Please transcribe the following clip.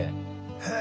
へえ。